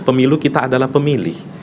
pemilu kita adalah pemilih